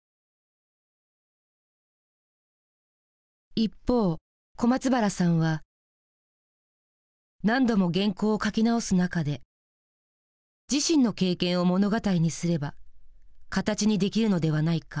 一方小松原さんは何度も原稿を書き直す中で自身の経験を物語にすれば形にできるのではないかと思ったという。